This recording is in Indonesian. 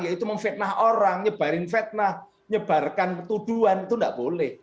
yaitu memfitnah orang nyebarin fitnah nyebarkan tuduhan itu tidak boleh